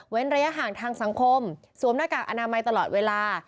ระยะห่างทางสังคมสวมหน้ากากอนามัยตลอดเวลา